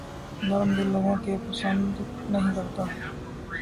نرم دل لوگوں کے پسند نہیں کرتا